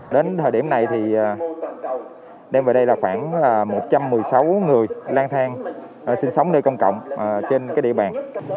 đến thời điểm này thì em về đây là khoảng một trăm một mươi sáu người lang thang sinh sống nơi công cộng trên địa bàn